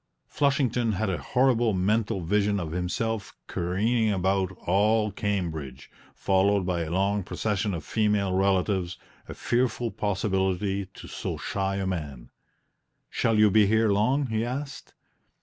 Flushington had a horrible mental vision of himself careering about all Cambridge, followed by a long procession of female relatives a fearful possibility to so shy a man. "Shall you be here long?" he asked.